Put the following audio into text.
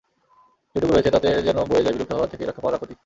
যেটুকু রয়েছে তাতে যেন বয়ে যায় বিলুপ্ত হওয়া থেকে রক্ষা পাওয়ার আকুতি।